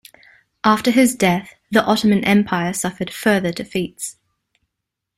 After his death, the Ottoman Empire suffered further defeats.